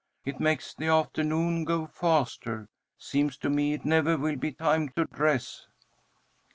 It makes the afternoon go faster. Seems to me it never will be time to dress."